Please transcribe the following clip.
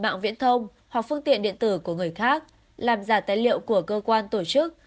mạng viễn thông hoặc phương tiện điện tử của người khác làm giả tài liệu của cơ quan tổ chức